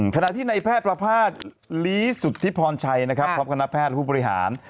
ขนาดที่การแผทปภาพหลีสุธิพรรณชัยพร้อมคณะแพทย์ผู้บริหาร